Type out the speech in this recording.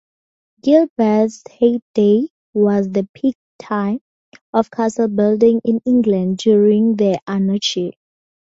Gilbert's heyday was the peak time of castle building in England, during the Anarchy.